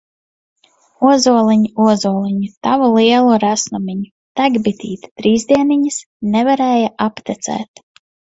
Ozoliņ, ozoliņ, Tavu lielu resnumiņu! Tek bitīte trīs dieniņas, Nevarēja aptecēt!